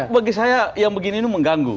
bagi saya yang begini ini mengganggu